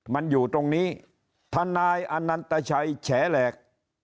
มันอยู่ตรงนี้ทนายอนันตชัยแฉแหลก